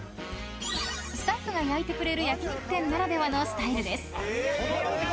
［スタッフが焼いてくれる焼き肉店ならではのスタイルです］